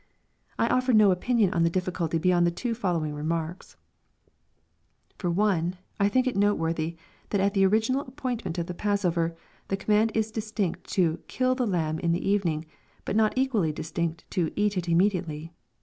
I offer no opinion on the difficulty beyond the two following re marks. For one thing, I think it noteworthy that at the original ap pointment of the passover, the command is distinct to JeiU the lamb in the evening, but not equally distinct to eat it im mediately.